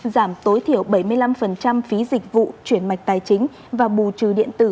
giảm tối thiểu bảy mươi năm phí dịch vụ chuyển mạch tài chính và bù trừ điện tử